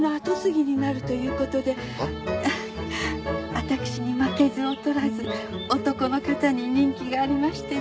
私に負けず劣らず男の方に人気がありましてね。